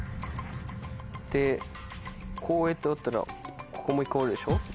でこうやって折ったらここも１回折るでしょ。